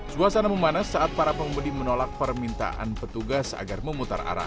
suasana memanas saat para pengemudi menolak permintaan petugas agar memutar arah